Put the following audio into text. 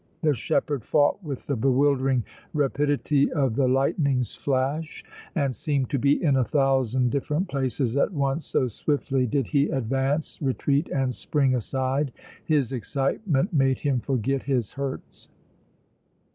The shepherd fought with the bewildering rapidity of the lightning's flash and seemed to be in a thousand different places at once so swiftly did he advance, retreat and spring aside. His excitement made him forget his hurts.